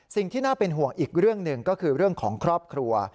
สิ่งที่น่าเป็นห่วงอีกเรื่องหนึ่งก็คือเรื่องของครอบครัว